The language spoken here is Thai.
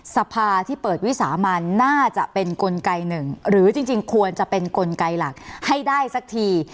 สภาที่เปิดวิสามันน่าจะเป็นกลไกหนึ่งหรือจริงควรจะเป็นกลไกหลักให้ได้สักที